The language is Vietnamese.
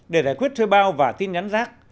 để giải quyết thuê bao và tin nhắn rác